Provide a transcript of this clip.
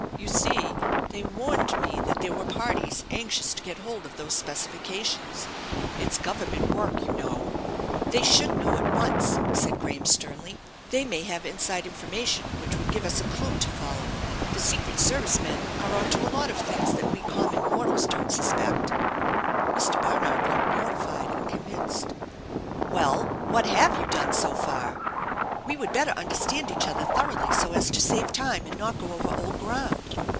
You see they warned me that there were parties anxious to get hold of those specifications. It's Government work, you know/' " They should know at onco," said Graham sternly. " They may have inside information which would give us a clew to follow. The secret service men are onto a lot of things that we common mortals don't suspect." Mr. Barnard looked mortified and convinced. "Well, what have you done so far? We would better understand each other thoroughly so as to save time and not go over old ground.